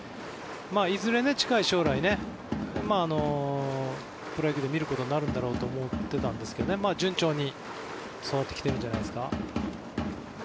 いずれ近い将来プロ野球で見ることになるんだろうと思っていたんですけど順調に育ってきているんじゃないですか。